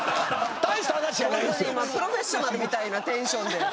今「プロフェッショナル」みたいなテンションで。